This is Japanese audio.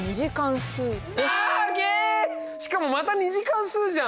しかもまた２次関数じゃん！